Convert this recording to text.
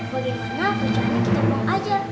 bagaimana kejadiannya kita puang aja